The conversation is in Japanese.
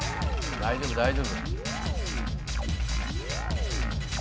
大丈夫大丈夫。